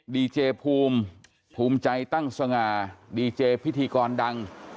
ดีเจภูมิภูมิใจตั้งสง่าดีเจพิธีกรดัง